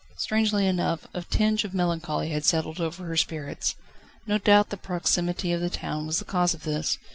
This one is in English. Strangely enough, a tinge of melancholy had settled over her spirits. No doubt the proximity of the town was the cause of this.